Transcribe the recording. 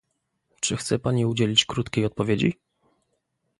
Czy chce pani udzielić krótkiej odpowiedzi?